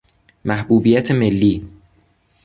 محبوبیت ملی